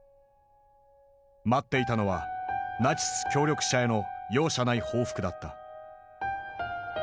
待っていたのはナチス協力者への容赦ない報復だった。